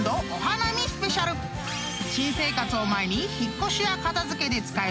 ［新生活を前に］